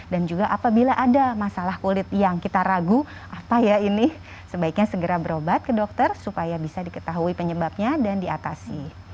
dan juga apabila ada masalah kulit yang kita ragu apa ya ini sebaiknya segera berobat ke dokter supaya bisa diketahui penyebabnya dan diatasi